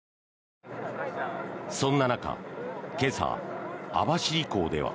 そんな中今朝、網走港では。